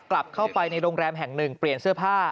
กลับเข้าไปในโรงแรมแห่งหนึ่งเปลี่ยนเสื้อผ้า